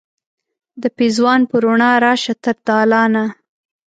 د پیزوان په روڼا راشه تر دالانه